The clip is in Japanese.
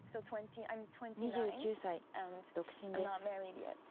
２９歳、独身です。